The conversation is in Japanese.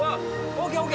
ＯＫＯＫ。